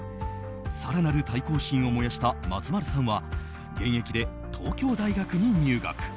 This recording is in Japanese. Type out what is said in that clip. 更なる対抗心を燃やした松丸さんは現役で東京大学に入学。